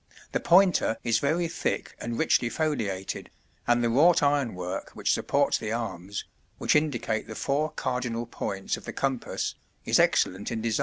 The pointer is very thick and richly foliated, and the wrought ironwork which supports the arms, which indicate the four cardinal points of the compass, is excellent in design.